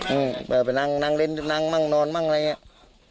อืมเออไปนั่งนั่งเล่นนั่งมั่งนอนมั่งอะไรอย่างเงี้ย